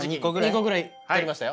２個ぐらい取りましたよ。